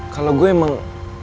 kalau gue emang